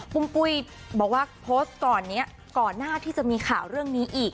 ปุ้ยบอกว่าโพสต์ก่อนนี้ก่อนหน้าที่จะมีข่าวเรื่องนี้อีก